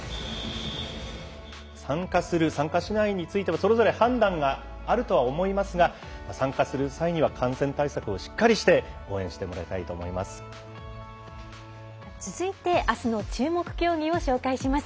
参加する、参加しないについてはそれぞれ判断があるとは思いますが参加する際には感染対策をしっかりして応援してもらいたいと思います。